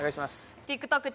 ＴｉｋＴｏｋ